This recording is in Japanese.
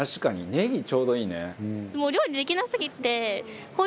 ネギちょうどいいね」